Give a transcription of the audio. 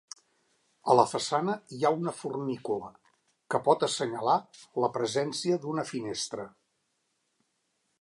A la façana hi ha una fornícula, que pot assenyalar la presència d'una finestra.